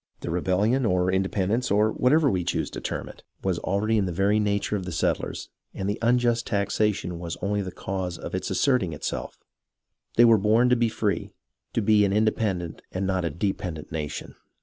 The rebellion, or independence, or whatever we choose to term it, was already in the very nature of the settlers, and the unjust taxation was only the cause of its asserting itself. They were born to be free, to be an inde pendent and not a dependent nation.